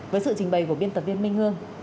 với sự trình bày của biên tập viên minh hương